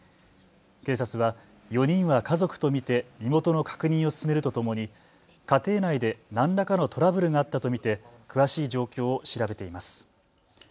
警察は４人は家族と見て身元の確認を進めるとともに家庭内で何らかのトラブルがあったと見て詳しい状況を調べています。